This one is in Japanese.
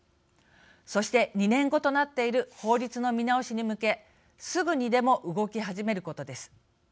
そして、２年後となっている法律の見直しに向けすぐにでも動き始めることです。